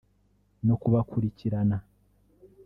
no kubakurikirana